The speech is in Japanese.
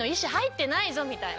みたいな。